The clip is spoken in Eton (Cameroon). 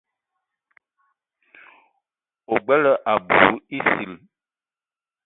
O gbele abui sii.